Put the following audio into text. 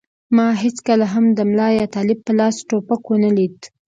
ما هېڅکله هم د ملا یا طالب په لاس ټوپک و نه لید.